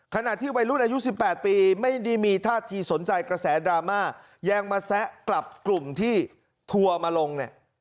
ขณะที่วัยรุ่นอายุ๑๘ปีไม่ได้มีท่าทีสนใจกระแสดราม่าแยงมาแซะกลับกลุ่มที่ทัวร์มาลงเนี่ย